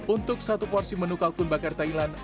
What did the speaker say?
untuk satu porsi menu kalkun bakar thailand